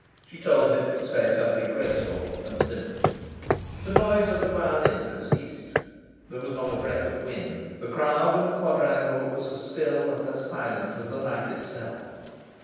She told him to say something graceful and simple. The noise of the violin had ceased. There was not a breath of wind. The crowd in the quadrangle was as still and as silent as the night itself.